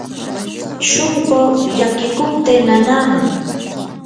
shunquu llakiykupti nanaman.